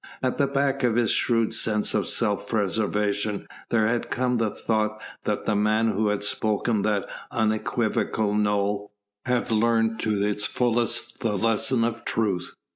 At the back of his shrewd sense of self preservation there had come the thought that the man who had spoken that unequivocal "No!" had learnt to its fullest the lesson of truth.